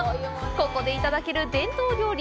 ここでいただける伝統料理